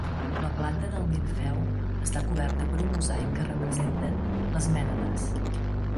La planta del nimfeu està coberta per un mosaic que representa les Mènades.